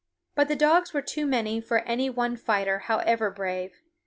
But the dogs were too many for any one fighter however brave.